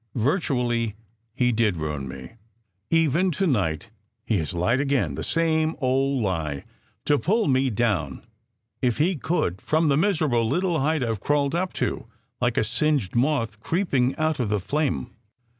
Virtually, he did ruin me. Even to night he has lied again, the same old lie, to pull me down if he could from the miserable little height I ve crawled up to, like a singed moth creeping out of the flame.